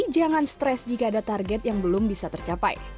jangan stres jika ada target yang belum bisa tercapai